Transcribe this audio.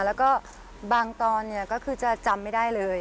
แล้วก็บางตอนเนี่ยก็คือจะจำไม่ได้เลย